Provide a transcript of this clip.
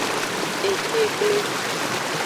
Etegble.